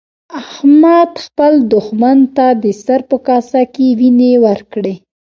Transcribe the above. احمد خپل دوښمن ته د سر په کاسه کې وينې ورکړې.